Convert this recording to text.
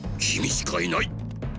きみしかいない！